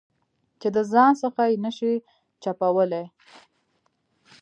چې د ځان څخه یې نه شې چپولای.